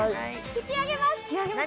引き上げます！